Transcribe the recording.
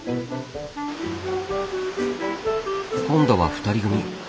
今度は２人組。